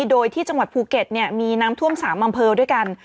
โดยที่จังหวัดภูเก็ตมีน้ำท่วม๓อำเภอด้วยกัน